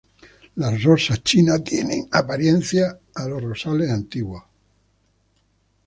Las rosas China tienen apariencias a los rosales antiguos.